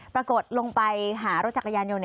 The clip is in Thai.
ปรากฏลงไปหารถจักรยานยนต์